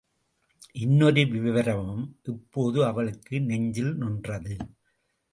இன்னொரு விவரமும் இப்போது அவளுக்கு நெஞ்சில் நின்றது.